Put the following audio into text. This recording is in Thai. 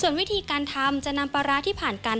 วิธีการทำจะนำปลาร้าที่ผ่านกัน